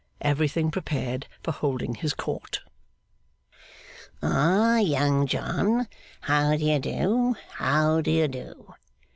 Everything prepared for holding his Court. 'Ah, Young John! How do you do, how do you do!